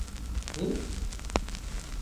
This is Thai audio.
หือ ?